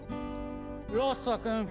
ロッソ君。